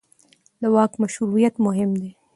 د واک مشروعیت مهم دی